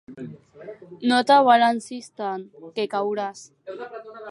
No t'abalancis tant, que cauràs!